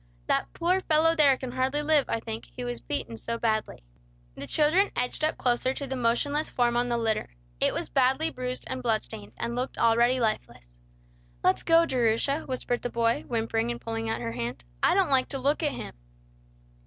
That poor fellow there can hardly live, I think, he was beaten so badly." The children edged up closer to the motionless form on the litter. It was badly bruised and blood stained, and looked already lifeless. "Let's go, Jerusha," whispered the boy, whimpering and pulling at her hand. "I don't like to look at him."